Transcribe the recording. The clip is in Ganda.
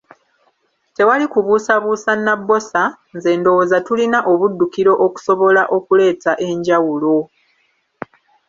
Tewali kubuusabuusa Nabbosa, nze ndowooza tulina obuddukiro okusobola okuleetawo enjawulo.